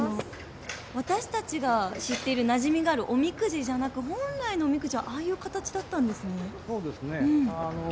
私たちが知っているなじみがある、おみくじじゃなく本来のおみくじはああいう形だったんですね。